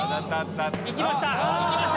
行きました。